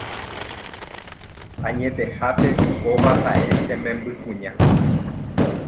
Añetehápe kóva ha'e che membykuña